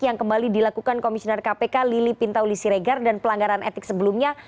yang kembali dilakukan komisioner kpk lili pintauli siregar dan pelanggaran etik sebelumnya